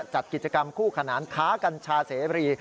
จัดกิจกรรมคู่ขนานค้ากัญชาเสรี